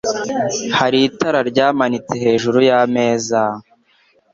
Hari itara ryamanitse hejuru yameza.